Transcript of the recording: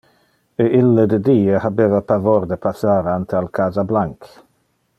E ille de die habeva pavor de passar ante al casa blanc.